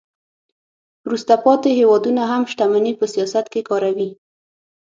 وروسته پاتې هیوادونه هم شتمني په سیاست کې کاروي